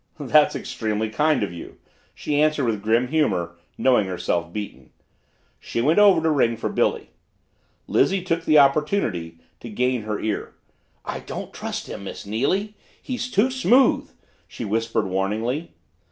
"That's extremely kind of you," she answered with grim humor, knowing herself beaten. She went over to ring for Billy. Lizzie took the opportunity to gain her ear. "I don't trust him, Miss Neily! He's too smooth!" she whispered warningly.